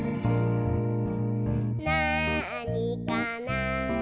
「なあにかな？」